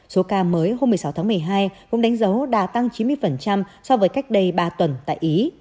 số ca mới hôm một mươi sáu tháng một mươi hai cũng đánh dấu đã tăng chín mươi so với cách đây ba tuần tại ý